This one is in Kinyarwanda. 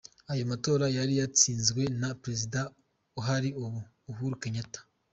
Ayo matora yari yatsinzwe na prezida ahari ubu, Uhuru Kenyatta.